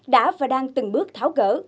đã và đang từng bước tháo gỡ